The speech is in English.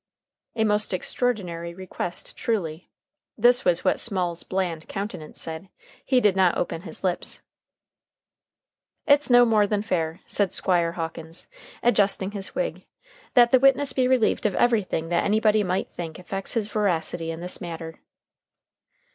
"A most extraordinary request, truly." This was what Small's bland countenance said; he did not open his lips. "It's no more than fair," said Squire Hawkins, adjusting his wig, "that the witness be relieved of everything that anybody might think affects his veracity in this matter."